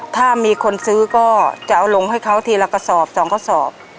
ถ้ามีคนซื้อก็จะเอาลงให้เขาทีละกระสอบสองกระสอบ